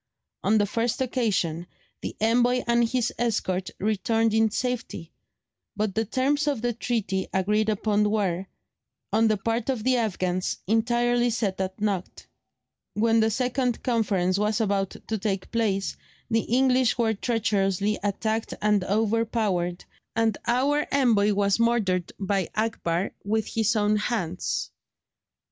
On the first occasion the envoy and his escort returned in safety, but the terms of the treaty agreed upon were, on the part of the Afghans, entirely set at naught. When the second conference was about to take place, the English were treacherously attacked and overpowered, and our envoy was murdered by Akbar with his own hands.